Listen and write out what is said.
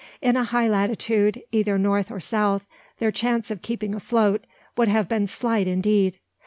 In a high latitude, either north or south, their chance of keeping afloat would have been slight indeed.